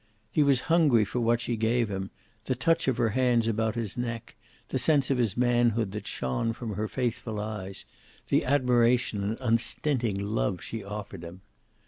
He was hungry for what she gave him, the touch of her hands about his neck, the sense of his manhood that shone from her faithful eyes, the admiration and unstinting love she offered him.